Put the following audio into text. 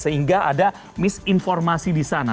sehingga ada misinformasi di sana